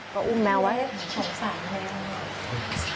ก็อุ้มแมวไว้เลยนะขอบสารไว้จังเลย